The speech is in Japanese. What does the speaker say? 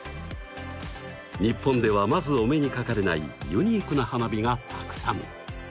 日本ではまずお目にかかれないユニークな花火がたくさん。